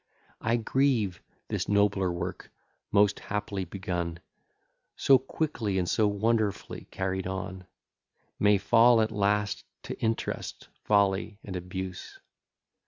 I grieve, this nobler work, most happily begun, So quickly and so wonderfully carried on, May fall at last to interest, folly, and abuse.